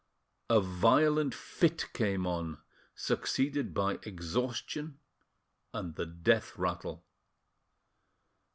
A violent fit came on, succeeded by exhaustion and the death rattle.